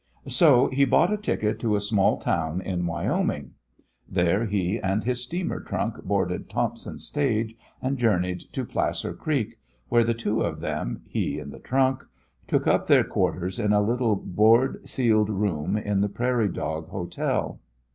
So he bought a ticket to a small town in Wyoming. There he and his steamer trunk boarded Thompson's stage, and journeyed to Placer Creek, where the two of them, he and the trunk, took up their quarters in a little board ceiled room in the Prairie Dog Hotel.